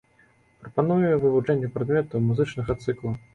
Прапануе вывучэнне прадметаў музычнага цыкла.